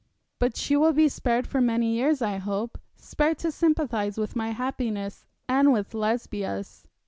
'But she will be spared for many years, I hope, spared to sympathise with my happiness, and with Lesbia's.'